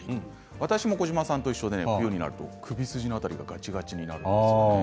私も児嶋さんと一緒で夜になると首すじの辺りががちがちになるんですよね。